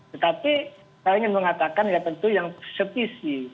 tetapi saya ingin mengatakan yang tentu yang spesifik